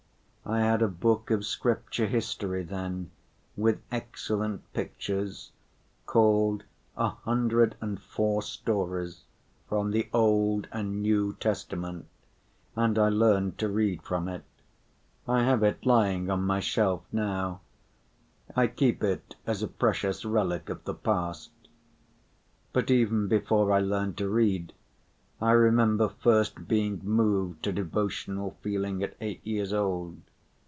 I had a book of Scripture history then with excellent pictures, called A Hundred and Four Stories from the Old and New Testament, and I learned to read from it. I have it lying on my shelf now, I keep it as a precious relic of the past. But even before I learned to read, I remember first being moved to devotional feeling at eight years old.